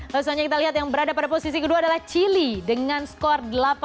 lalu selanjutnya kita lihat yang berada pada posisi kedua adalah chile dengan skor delapan